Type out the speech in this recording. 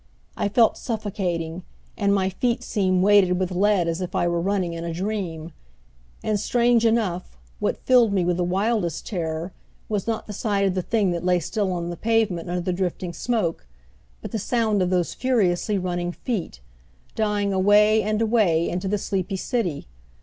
I felt suffocating, and my feet seemed weighted with lead as if I were running in a dream. And, strange enough, what filled me with the wildest terror was not the sight of the thing that lay still on the pavement under the drifting smoke, but the sound of those furiously running feet, dying away and away into the sleepy city.